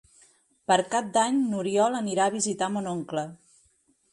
Per Cap d'Any n'Oriol anirà a visitar mon oncle.